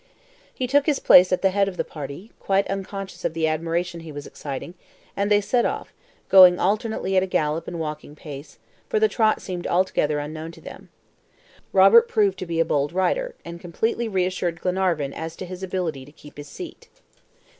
He took his place at the head of the party, quite unconscious of the admiration he was exciting, and they set off, going alternately at a gallop and walking pace, for the "trot" seemed altogether unknown to them. Robert proved to be a bold rider, and completely reassured Glenarvan as to his ability to keep his seat.